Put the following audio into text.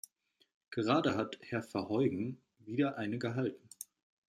Gerade hat Herr Verheugen wieder eine gehalten.